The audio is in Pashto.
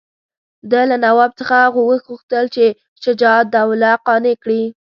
ده له نواب څخه وغوښتل چې شجاع الدوله قانع کړي.